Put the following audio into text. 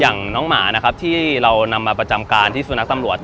อย่างน้องหมานะครับที่เรานำมาประจำการที่สุนัขตำรวจ